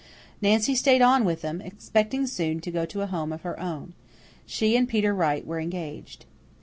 Nancy stayed on with them, expecting soon to go to a home of her own. She and Peter Wright were engaged.